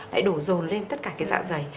lại đổ rồn lên tất cả cái dạ dày